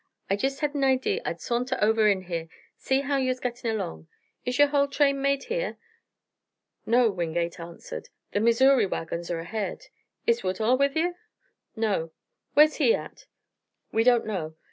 I jest had a idee I'd sornter over in here, see how ye was gittin' along. Is your hull train made here?" "No," Wingate answered. "The Missouri wagons are ahead." "Is Woodhull with ye?" "No." "Whar's he at?" "We don't know.